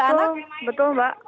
iya betul mbak